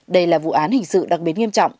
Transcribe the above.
đây là vụ án hình sự đặc biệt nghiêm trọng